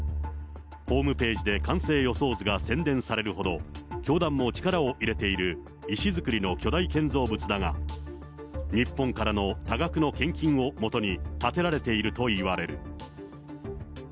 ホームページで完成予想図が宣伝されるほど、教団も力を入れている石造りの巨大建造物だが、日本からの多額の献金をもとに建てられているといわれる。